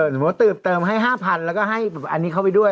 ถือเติบเติมให้๕๐๐๐บาทแล้วก็ให้มีเข้าไปด้วย